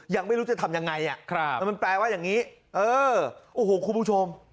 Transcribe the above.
ยังไม่รู้จะทำยังไงมันแปลว่าอย่างนี้เออโอ้โหคุณผู้ชม